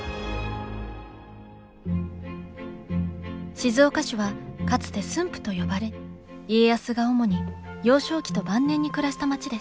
静岡市はかつて駿府と呼ばれ家康が主に幼少期と晩年に暮らした街です。